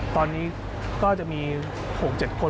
ตอนนี้ก็จะมี๖๗คน